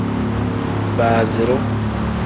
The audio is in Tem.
Baaziru.